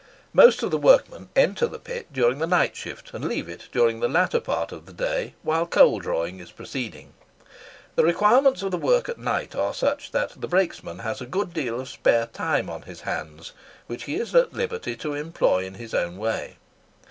Most of the workmen enter the pit during the night shift, and leave it in the latter part of the day, whilst coal drawing is proceeding. The requirements of the work at night are such, that the brakesman has a good deal of spare time on his hands, which he is at liberty to employ in his own way.